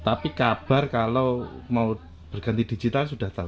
tapi kabar kalau mau berganti digital sudah tahu